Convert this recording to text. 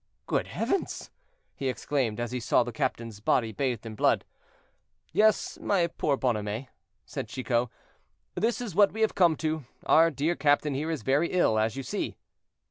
"Good heavens!" he exclaimed, as he saw the captain's body bathed in blood. "Yes, my poor Bonhomet," said Chicot; "this is what we have come to; our dear captain here is very ill, as you see."